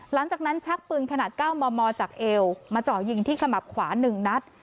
หลังจากนั้นชักปืนขนาดเก้ามอมอจากเอวมาจอดยิงที่ขมับขวาหนึ่งนัด